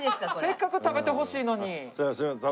せっかく食べてほしいのに。